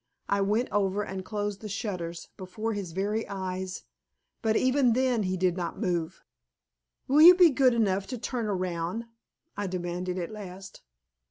I went over and closed the shutters before his very eyes, but even then he did not move. "Will you be good enough to turn around?" I demanded at last.